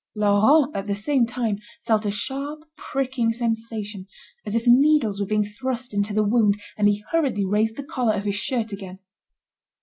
Laurent at the same time felt a sharp pricking sensation, as if needles were being thrust into the wound, and he hurriedly raised the collar of his shirt again.